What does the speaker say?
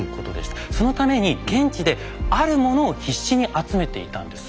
そのために現地であるものを必死に集めていたんです。